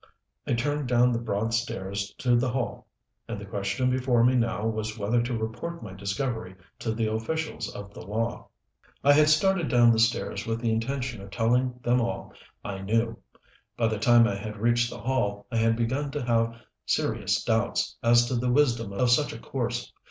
I turned down the broad stairs to the hall. And the question before me now was whether to report my discovery to the officials of the law. I had started down the stairs with the intention of telling them all I knew. By the time I had reached the hall I had begun to have serious doubts as to the wisdom of such a course.